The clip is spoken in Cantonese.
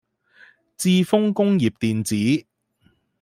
致豐工業電子